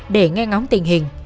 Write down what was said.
để nghe ngóng tình hình